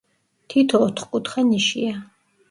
თითო ოთხკუთხა ნიშია.